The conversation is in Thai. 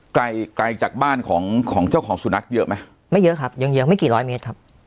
ไกลไกลจากบ้านของของเจ้าของสุนัขเยอะไหมไม่เยอะครับยังเยอะไม่กี่ร้อยเมตรครับ